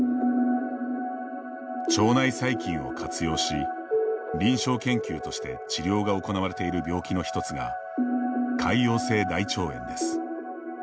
腸内細菌を活用し臨床研究として治療が行われている病気の１つが潰瘍性大腸炎です。